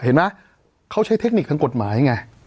เห็นไหมเขาใช้เทคนิคทางกฎหมายไง